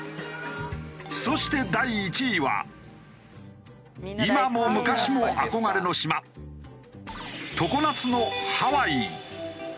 そして今も昔も憧れの島常夏のハワイ。